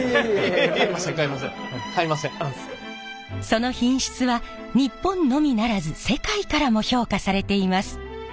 その品質は日本のみならず世界からも評価されています。